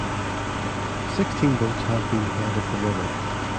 Sixteen boats have been head of the river.